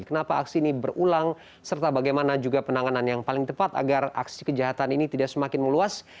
kenapa aksi ini berulang serta bagaimana juga penanganan yang paling tepat agar aksi kejahatan ini tidak semakin meluas